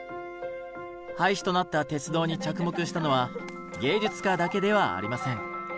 廃止となった鉄道に着目したのは芸術家だけではありません。